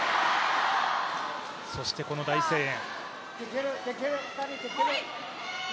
そしてこの大声援。